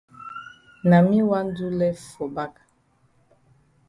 Na me wan do lef for back.